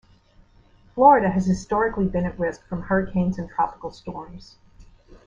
Florida has historically been at risk from hurricanes and tropical storms.